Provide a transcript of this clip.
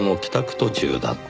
途中だった